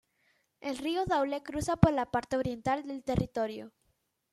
El río Daule cruza por la parte oriental del territorio.